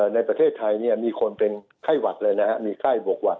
ในประเทศไทยมีคนเป็นไข้หวัดเลยนะครับมีไข้บวกหวัด